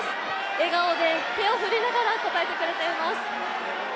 笑顔で手を振りながら応えてくれています。